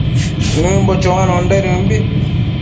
Nëmbo choanondaidëmbi